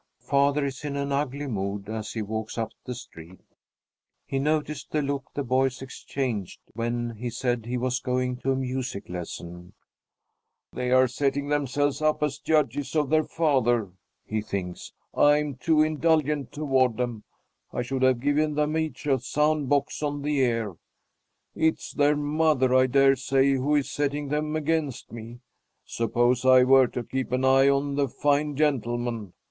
Father is in an ugly mood as he walks up the street. He noticed the look the boys exchanged when he said that he was going to a music lesson. "They are setting themselves up as judges of their father," he thinks. "I am too indulgent toward them. I should have given them each a sound box on the ear. It's their mother, I dare say, who is setting them against me. Suppose I were to keep an eye on the fine gentlemen?"